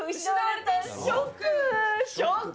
ショック。